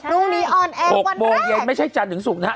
ลูกนี้ออนแอร์วันแรก๖โมงเย็นไม่ใช่จันทร์ถึงศุกร์นะฮะ